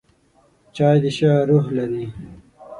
چای د شعر روح لري.